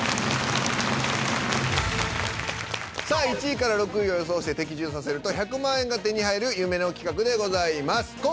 さあ１位６位を予想して的中させると１００万円が手に入る夢の企画でございます。